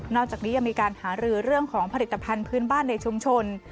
จากนี้ยังมีการหารือเรื่องของผลิตภัณฑ์พื้นบ้านในชุมชน